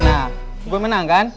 nah gue menang kan